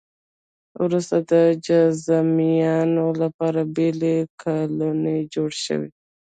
وروسته د جذامیانو لپاره بېلې کالونۍ جوړې شوې.